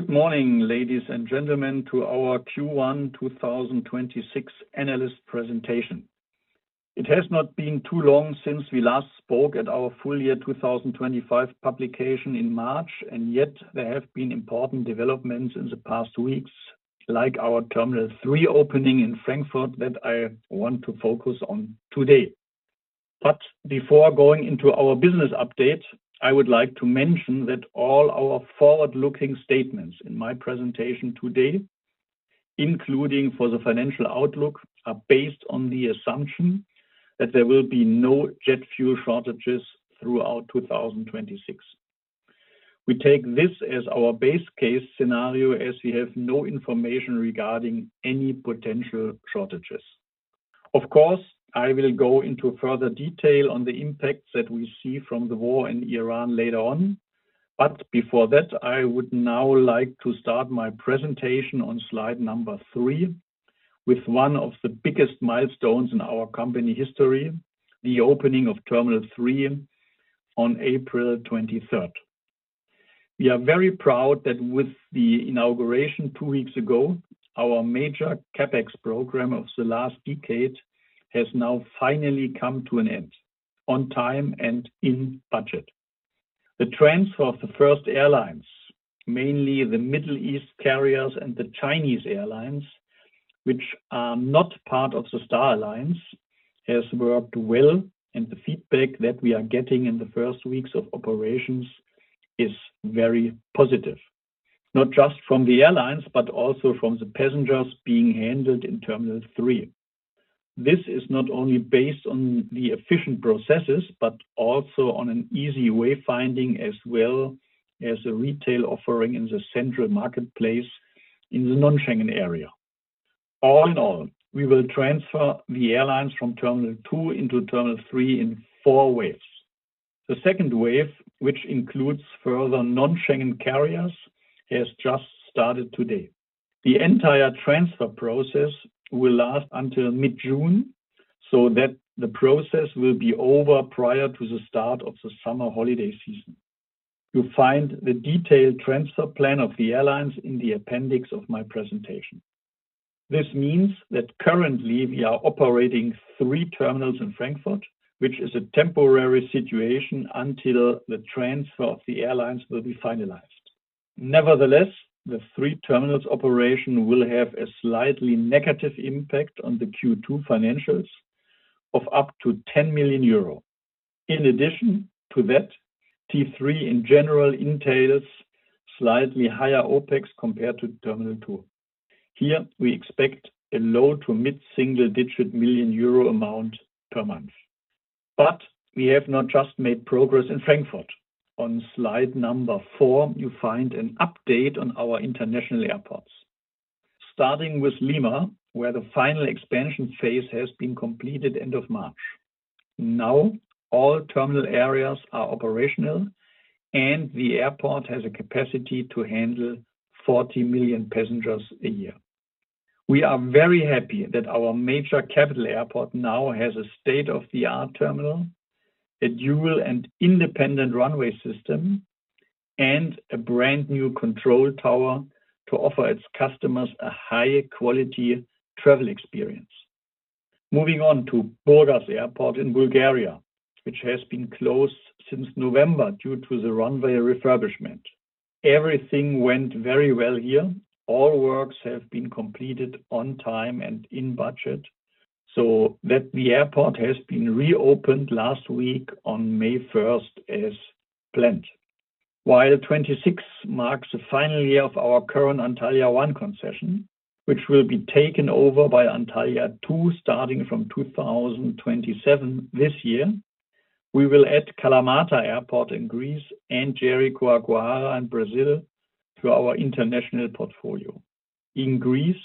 Good morning, ladies and gentlemen, to our Q1 2026 analyst presentation. It has not been too long since we last spoke at our full year 2025 publication in March, and yet there have been important developments in the past weeks, like our Terminal 3 opening in Frankfurt that I want to focus on today. Before going into our business update, I would like to mention that all our forward-looking statements in my presentation today, including for the financial outlook, are based on the assumption that there will be no jet fuel shortages throughout 2026. We take this as our base case scenario as we have no information regarding any potential shortages. Of course, I will go into further detail on the impacts that we see from the war in Iran later on, but before that, I would now like to start my presentation on slide number three with one of the biggest milestones in our company history, the opening of Terminal 3 on April 23rd. We are very proud that with the inauguration two weeks ago, our major CapEx program of the last decade has now finally come to an end on time and in budget. The transfer of the first airlines, mainly the Middle East carriers and the Chinese airlines, which are not part of the Star Alliance, has worked well, and the feedback that we are getting in the first weeks of operations is very positive, not just from the airlines, but also from the passengers being handled in Terminal 3. This is not only based on the efficient processes, but also on an easy way finding as well as the retail offering in the central marketplace in the non-Schengen Area. All in all, we will transfer the airlines from Terminal 2 into Terminal 3 in four waves. The second wave, which includes further non-Schengen carriers, has just started today. The entire transfer process will last until mid-June, so that the process will be over prior to the start of the summer holiday season. You'll find the detailed transfer plan of the airlines in the appendix of my presentation. This means that currently we are operating three terminals in Frankfurt, which is a temporary situation until the transfer of the airlines will be finalized. Nevertheless, the three terminals operation will have a slightly negative impact on the Q2 financials of up to 10 million euro. In addition to that, T3 in general entails slightly higher OpEx compared to Terminal 2. Here, we expect a low to mid-single digit million EUR amount per month. We have not just made progress in Frankfurt. On slide number four, you find an update on our international airports. Starting with Lima, where the final expansion phase has been completed end of March. Now, all terminal areas are operational, and the airport has a capacity to handle 40 million passengers a year. We are very happy that our major capital airport now has a state-of-the-art terminal, a dual and independent runway system, and a brand-new control tower to offer its customers a high-quality travel experience. Moving on to Burgas Airport in Bulgaria, which has been closed since November due to the runway refurbishment. Everything went very well here. All works have been completed on time and in budget, so that the airport has been reopened last week on May 1st as planned. While 2026 marks the final year of our current Antalya concession, which will be taken over by Antalya Two starting from 2027 this year, we will add Kalamata Airport in Greece and Jericoacoara in Brazil to our international portfolio. In Greece,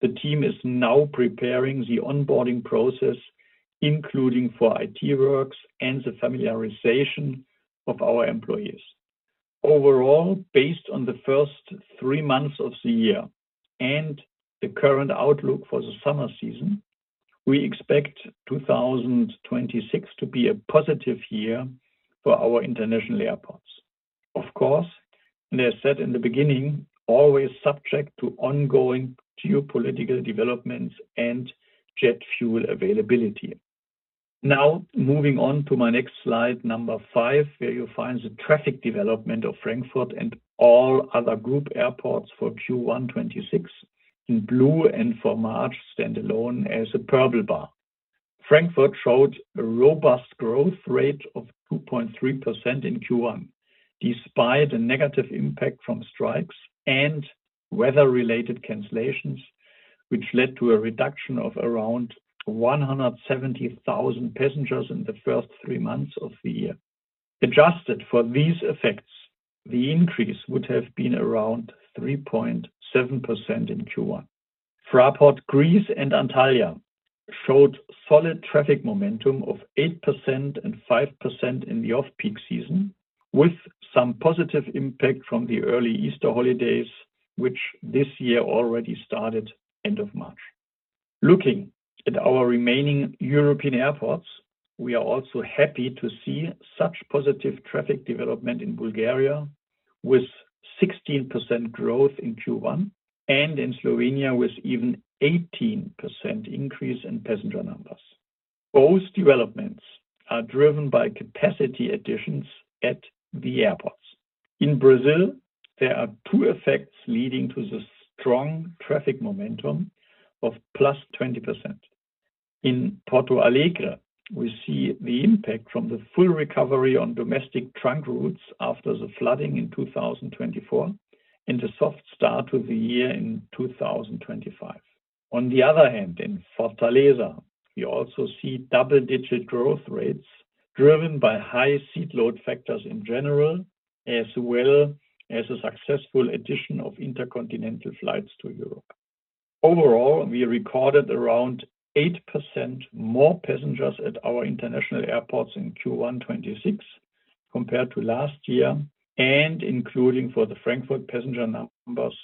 the team is now preparing the onboarding process, including for IT works and the familiarization of our employees. Overall, based on the first three months of the year and the current outlook for the summer season, we expect 2026 to be a positive year for our international airports. Of course, as said in the beginning, always subject to ongoing geopolitical developments and jet fuel availability. Now, moving on to my next slide, number five, where you'll find the traffic development of Frankfurt and all other group airports for Q1 2026 in blue and for March standalone as a purple bar. Frankfurt showed a robust growth rate of 2.3% in Q1, despite a negative impact from strikes and weather-related cancellations, which led to a reduction of around 170,000 passengers in the first three months of the year. Adjusted for these effects, the increase would have been around 3.7% in Q1. Fraport Greece and Antalya showed solid traffic momentum of 8% and 5% in the off-peak season, with some positive impact from the early Easter holidays, which this year already started end of March. Looking at our remaining European airports, we are also happy to see such positive traffic development in Bulgaria with 16% growth in Q1, and in Slovenia with even 18% increase in passenger numbers. Both developments are driven by capacity additions at the airports. In Brazil, there are two effects leading to the strong traffic momentum of +20%. In Porto Alegre, we see the impact from the full recovery on domestic trunk routes after the flooding in 2024 and a soft start to the year in 2025. On the other hand, in Fortaleza, we also see double-digit growth rates driven by high seat load factors in general, as well as a successful addition of intercontinental flights to Europe. Overall, we recorded around 8% more passengers at our international airports in Q1 2026 compared to last year including for the Frankfurt passenger numbers,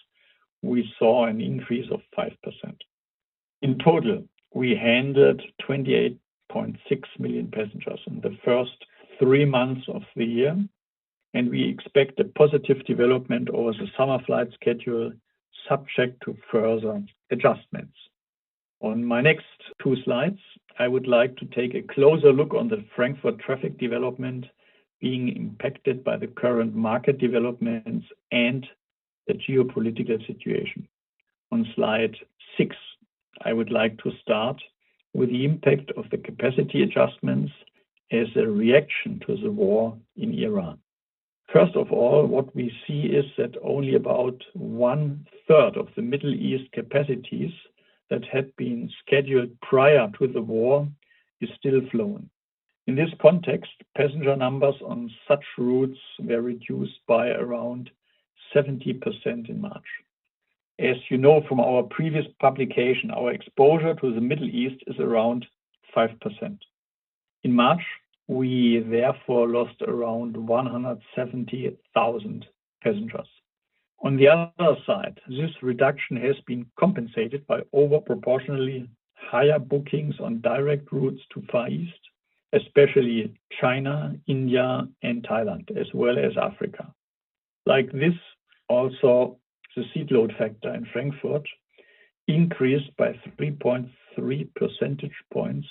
we saw an increase of 5%. In total, we handled 28.6 million passengers in the first three months of the year, we expect a positive development over the summer flight schedule, subject to further adjustments. On my next two slides, I would like to take a closer look on the Frankfurt traffic development being impacted by the current market developments and the geopolitical situation. On slide six, I would like to start with the impact of the capacity adjustments as a reaction to the war in Iran. First of all, what we see is that only about one-third of the Middle East capacities that had been scheduled prior to the war is still flown. In this context, passenger numbers on such routes were reduced by around 70% in March. As you know from our previous publication, our exposure to the Middle East is around 5%. In March, we therefore lost around 170,000 passengers. On the other side, this reduction has been compensated by over proportionally higher bookings on direct routes to Far East, especially China, India, and Thailand, as well as Africa. Like this, also the seat load factor in Frankfurt increased by 3.3 percentage points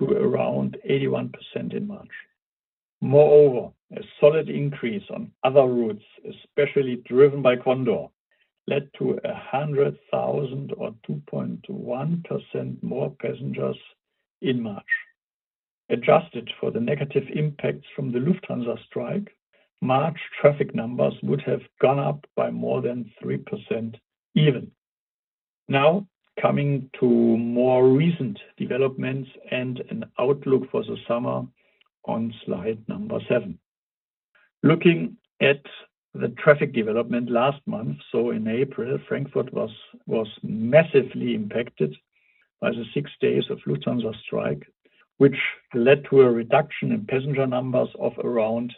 to around 81% in March. A solid increase on other routes, especially driven by Condor, led to 100,000 or 2.1% more passengers in March. Adjusted for the negative impacts from the Lufthansa strike, March traffic numbers would have gone up by more than 3% even. Coming to more recent developments and an outlook for the summer on slide seven. Looking at the traffic development last month, so in April, Frankfurt was massively impacted by the six days of Lufthansa strike, which led to a reduction in passenger numbers of around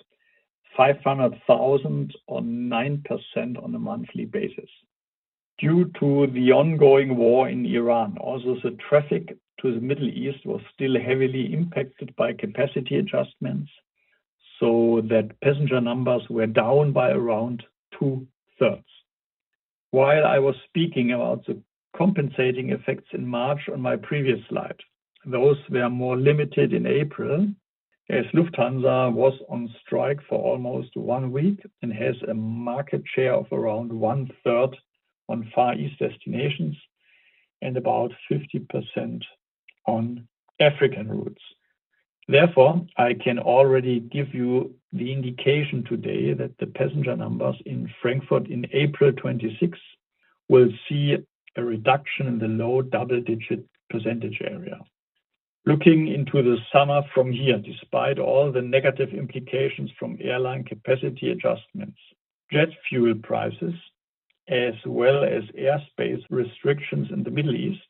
500,000 or 9% on a monthly basis. Due to the ongoing war in Iran, also the traffic to the Middle East was still heavily impacted by capacity adjustments so that passenger numbers were down by around two-thirds. While I was speaking about the compensating effects in March on my previous slide, those were more limited in April, as Lufthansa was on strike for almost one week and has a market share of around 1/3 on Far East destinations and about 50% on African routes. I can already give you the indication today that the passenger numbers in Frankfurt in April 2026 will see a reduction in the low double-digit percentage area. Looking into the summer from here, despite all the negative implications from airline capacity adjustments, jet fuel prices, as well as airspace restrictions in the Middle East,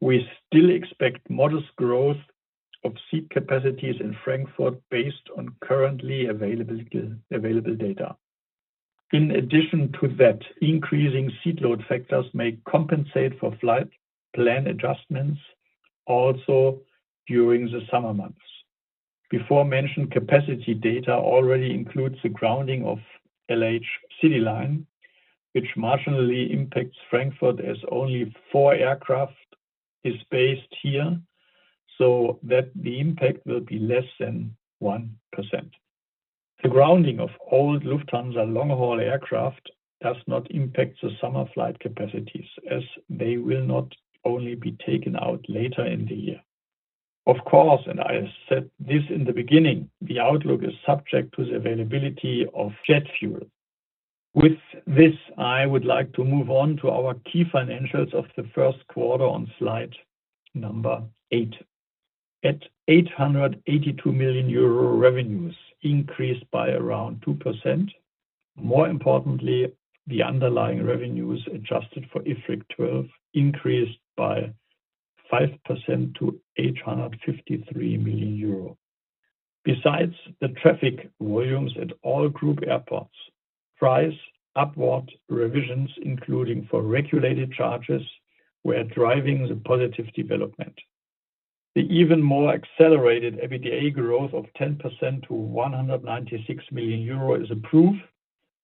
we still expect modest growth of seat capacities in Frankfurt based on currently available data. In addition to that, increasing seat load factors may compensate for flight plan adjustments also during the summer months. Before mentioned capacity data already includes the grounding of Lufthansa CityLine, which marginally impacts Frankfurt as only four aircraft is based here, so that the impact will be less than 1%. The grounding of old Lufthansa long-haul aircraft does not impact the summer flight capacities, as they will not only be taken out later in the year. Of course, and I said this in the beginning, the outlook is subject to the availability of jet fuel. With this, I would like to move on to our key financials of the first quarter on slide number eight. At 882 million euro, revenues increased by around 2%. More importantly, the underlying revenues adjusted for IFRIC 12 increased by 5% to 853 million euro. Besides the traffic volumes at all group airports, price upward revisions, including for regulated charges, were driving the positive development. The even more accelerated EBITDA growth of 10% to 196 million euro is a proof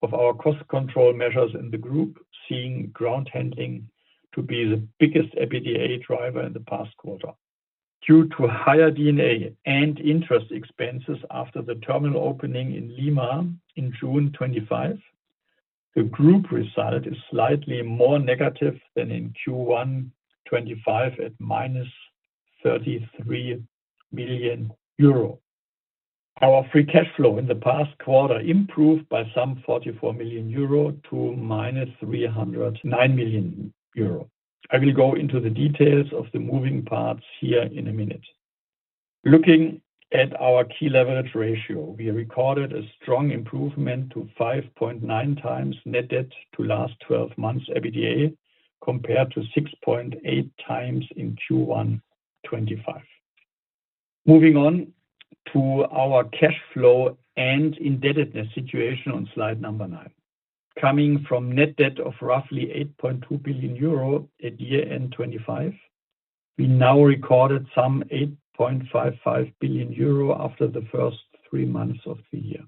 of our cost control measures in the group, seeing ground handling to be the biggest EBITDA driver in the past quarter. Due to higher D&A and interest expenses after the terminal opening in Lima in June 2025, the group result is slightly more negative than in Q1 2025 at -33 million euro. Our free cash flow in the past quarter improved by some 44 million--309 million euro. I will go into the details of the moving parts here in a minute. Looking at our key leverage ratio, we have recorded a strong improvement to 5.9x net debt to last 12 months EBITDA, compared to 6.8x in Q1 2025. Moving on to our cash flow and indebtedness situation on slide number nine. Coming from net debt of roughly 8.2 billion euro at year-end 2025, we now recorded some 8.55 billion euro after the first three months of the year.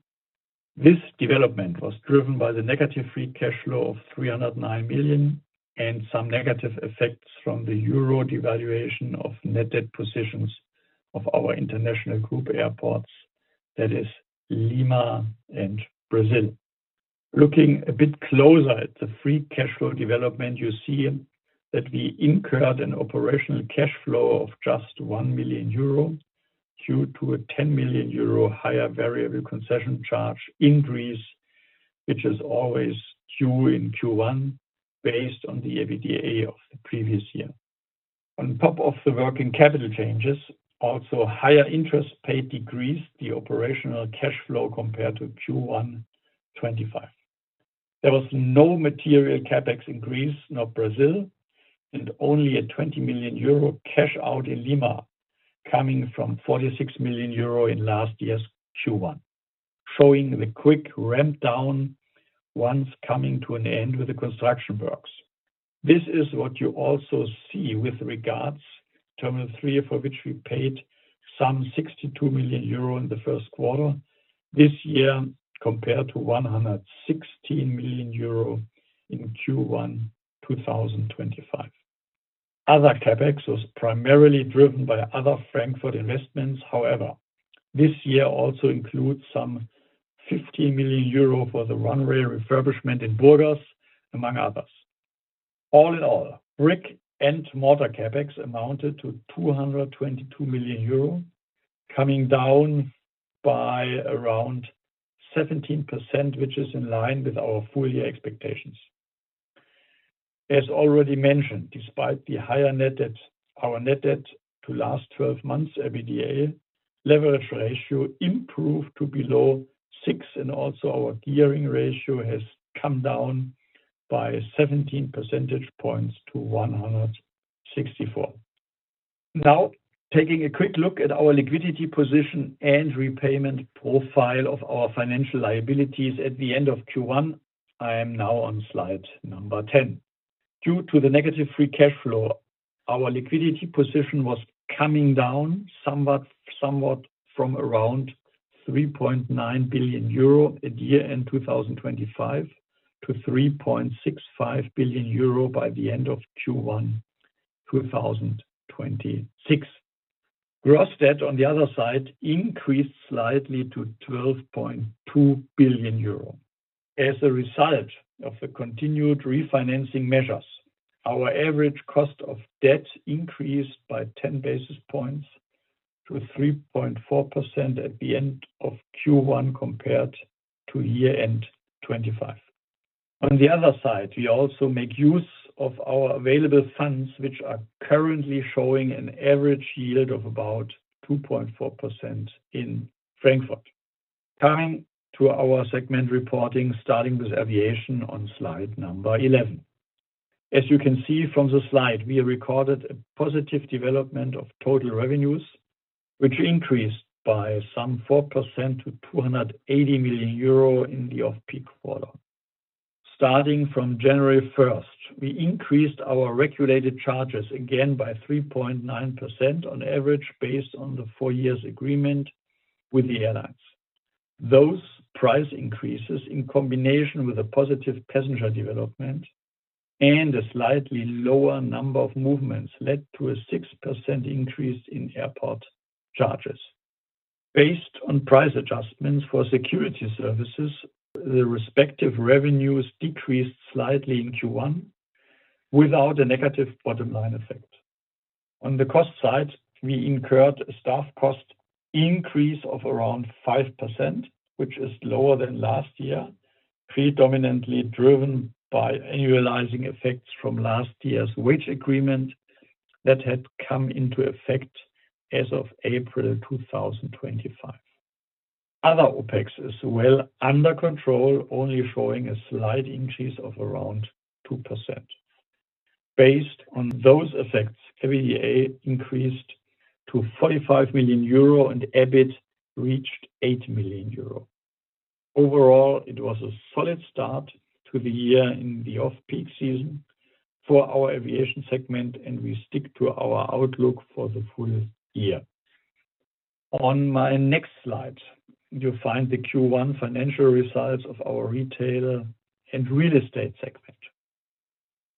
This development was driven by the negative free cash flow of 309 million, and some negative effects from the EUR devaluation of net debt positions of our international group airports, that is Lima and Brazil. Looking a bit closer at the free cash flow development, you see that we incurred an operational cash flow of just 1 million euro due to a 10 million euro higher variable concession charge increase, which is always due in Q1 based on the EBITDA of the previous year. On top of the working capital changes, also higher interest paid decrease the operational cash flow compared to Q1 2025. There was no material CapEx increase in Brazil and only a 20 million euro cash out in Lima, coming from 46 million euro in last year's Q1, showing the quick ramp down once coming to an end with the construction works. This is what you also see with regards Terminal 3, for which we paid some 62 million euro in the first quarter this year, compared to 116 million euro in Q1 2025. Other CapEx was primarily driven by other Frankfurt investments. However, this year also includes some 50 million euro for the runway refurbishment in Burgas, among others. All in all, brick and mortar CapEx amounted to 222 million euro, coming down by around 17%, which is in line with our full year expectations. As already mentioned, despite the higher net debt, our net debt to last 12 months EBITDA leverage ratio improved to below 6, and also our gearing ratio has come down by 17 percentage points to 164. Now, taking a quick look at our liquidity position and repayment profile of our financial liabilities at the end of Q1. I am now on slide number 10. Due to the negative free cash flow, our liquidity position was coming down somewhat from around 3.9 billion euro at year-end 2025 to 3.65 billion euro by the end of Q1 2026. Gross debt, on the other side, increased slightly to 12.2 billion euro. As a result of the continued refinancing measures, our average cost of debt increased by 10 basis points to 3.4% at the end of Q1 compared to year-end 2025. On the other side, we also make use of our available funds, which are currently showing an average yield of about 2.4% in Frankfurt. Coming to our segment reporting, starting with aviation on slide number 11. As you can see from the slide, we have recorded a positive development of total revenues, which increased by some 4% to 280 million euro in the off-peak quarter. Starting from January 1st, we increased our regulated charges again by 3.9% on average based on the four years agreement with the airlines. Those price increases, in combination with a positive passenger development and a slightly lower number of movements, led to a 6% increase in airport charges. Based on price adjustments for security services, the respective revenues decreased slightly in Q1 without a negative bottom line effect. On the cost side, we incurred a staff cost increase of around 5%, which is lower than last year, predominantly driven by annualizing effects from last year's wage agreement that had come into effect as of April 2025. Other OpEx is well under control, only showing a slight increase of around 2%. Based on those effects, EBITDA increased to 45 million euro and EBIT reached 8 million euro. Overall, it was a solid start to the year in the off-peak season for our aviation segment, and we stick to our outlook for the full year. On my next slide, you'll find the Q1 financial results of our retail and real estate segment.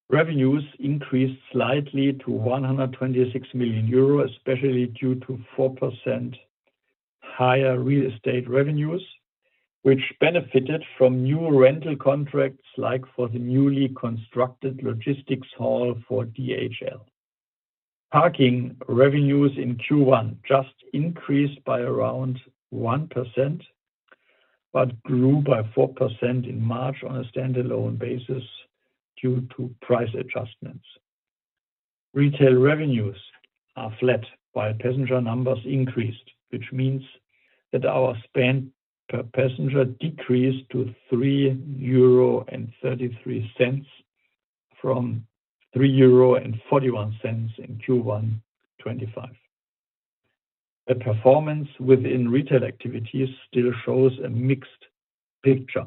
Revenues increased slightly to 126 million euro, especially due to 4% higher real estate revenues, which benefited from new rental contracts, like for the newly constructed logistics hall for DHL. Parking revenues in Q1 just increased by around 1%. Grew by 4% in March on a standalone basis due to price adjustments. Retail revenues are flat while passenger numbers increased, which means that our spend per passenger decreased to 3.33 euro from 3.41 euro in Q1 2025. The performance within retail activities still shows a mixed picture.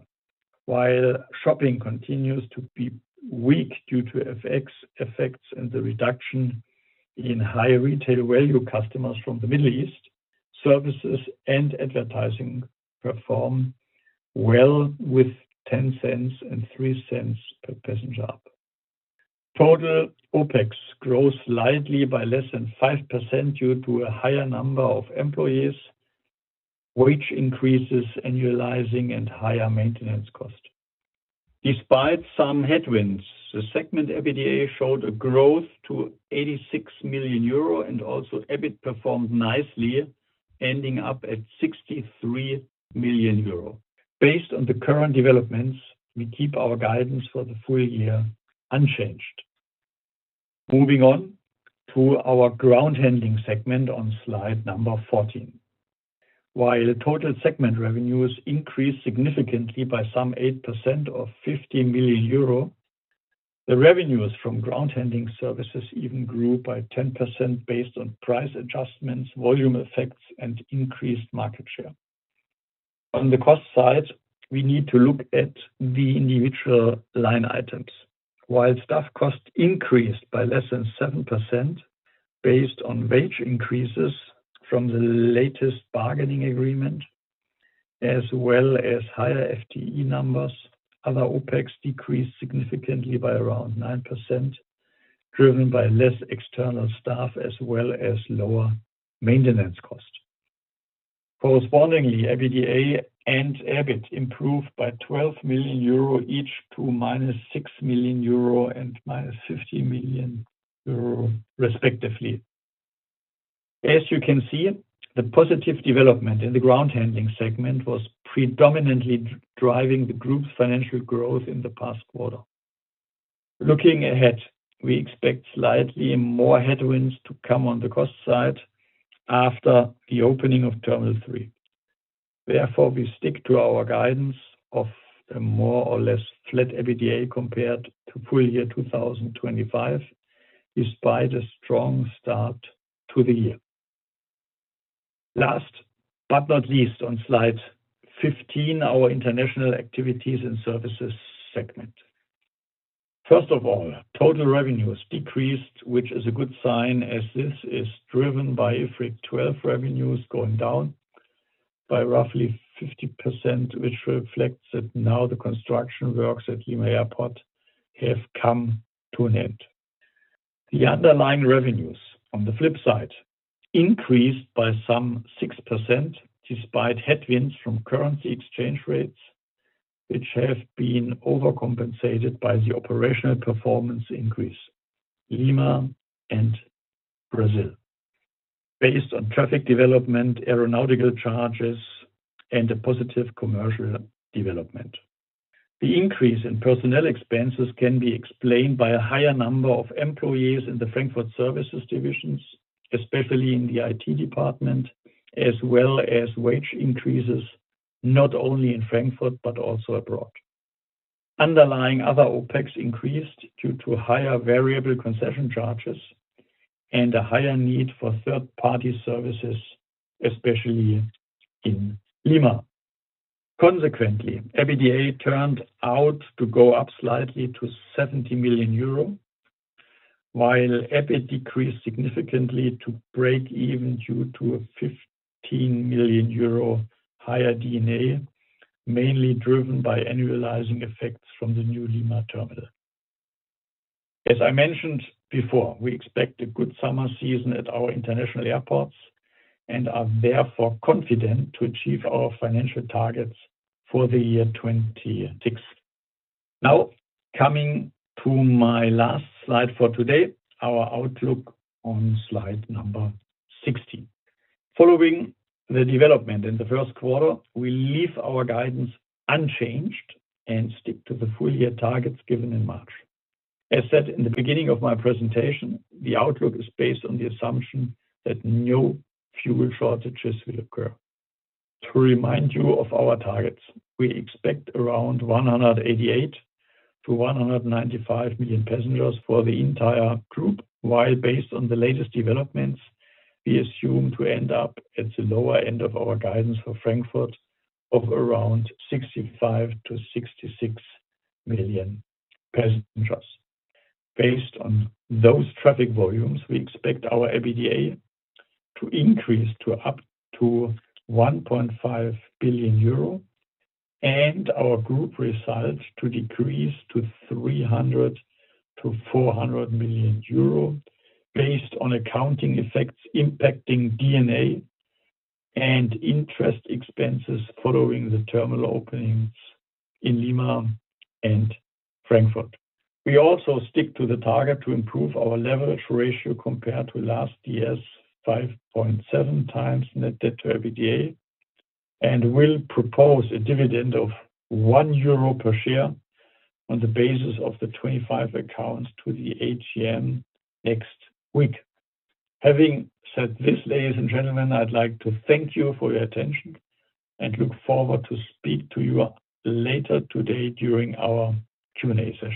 While shopping continues to be weak due to FX effects and the reduction in higher retail value customers from the Middle East, services and advertising perform well with 0.10 and 0.03 per passenger. Total OpEx grows slightly by less than 5% due to a higher number of employees, wage increases annualizing and higher maintenance cost. Despite some headwinds, the segment EBITDA showed a growth to 86 million euro and also EBIT performed nicely, ending up at 63 million euro. Based on the current developments, we keep our guidance for the full year unchanged. Moving on to our ground handling segment on slide number 14. While total segment revenues increased significantly by some 8% or 50 million euro, the revenues from ground handling services even grew by 10% based on price adjustments, volume effects, and increased market share. On the cost side, we need to look at the individual line items. While staff costs increased by less than 7% based on wage increases from the latest bargaining agreement, as well as higher FTE numbers, other OpEx decreased significantly by around 9%, driven by less external staff as well as lower maintenance cost. EBITDA and EBIT improved by 12 million euro each to -6 million euro and -50 million euro respectively. As you can see, the positive development in the ground handling segment was predominantly driving the group's financial growth in the past quarter. Looking ahead, we expect slightly more headwinds to come on the cost side after the opening of Terminal 3. We stick to our guidance of a more or less flat EBITDA compared to full year 2025, despite a strong start to the year. Last but not least, on slide 15, our international activities and services segment. First of all, total revenues decreased, which is a good sign as this is driven by IFRIC 12 revenues going down by roughly 50%, which reflects that now the construction works at Lima Airport have come to an end. The underlying revenues, on the flip side, increased by some 6% despite headwinds from currency exchange rates, which have been overcompensated by the operational performance increase, Lima and Brazil. Based on traffic development, aeronautical charges, and a positive commercial development. The increase in personnel expenses can be explained by a higher number of employees in the Frankfurt services divisions, especially in the IT department, as well as wage increases, not only in Frankfurt but also abroad. Underlying other OpEx increased due to higher variable concession charges and a higher need for third-party services, especially in Lima. Consequently, EBITDA turned out to go up slightly to 70 million euro, while EBIT decreased significantly to break even due to a 15 million euro higher D&A, mainly driven by annualizing effects from the new Lima terminal. As I mentioned before, we expect a good summer season at our international airports and are therefore confident to achieve our financial targets for the year 2026. Coming to my last slide for today, our outlook on slide number 16. Following the development in the first quarter, we leave our guidance unchanged and stick to the full year targets given in March. As said in the beginning of my presentation, the outlook is based on the assumption that no fuel shortages will occur. To remind you of our targets, we expect around 188 million-195 million passengers for the entire group, while based on the latest developments, we assume to end up at the lower end of our guidance for Frankfurt of around 65 million-66 million passengers. Based on those traffic volumes, we expect our EBITDA to increase to up to 1.5 billion euro and our group results to decrease to 300 million-400 million euro based on accounting effects impacting D&A and interest expenses following the terminal openings in Lima and Frankfurt. We also stick to the target to improve our leverage ratio compared to last year's 5.7x net debt to EBITDA, and will propose a dividend of 1 euro per share on the basis of the 2025 accounts to the AGM next week. Having said this, ladies and gentlemen, I'd like to thank you for your attention and look forward to speak to you later today during our Q&A session.